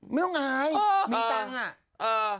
ไม่ต้องอายมีเต็มอ่ะ